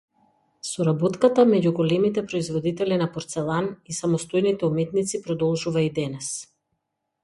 Соработката меѓу големите производители на порцелан и самостојните уметници продолжува и денес.